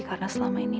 karena selama ini